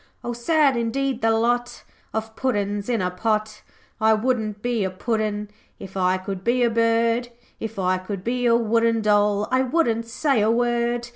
O sad indeed the lot Of puddin's in a pot. 'I wouldn't be a puddin' If I could be a bird, If I could be a wooden Doll, I would'n say a word.